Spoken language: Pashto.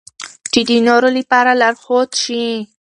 چې د نورو لپاره لارښود شي.